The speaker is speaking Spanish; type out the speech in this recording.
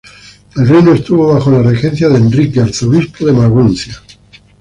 El reino estuvo bajo la regencia de Enrique, arzobispo de Maguncia.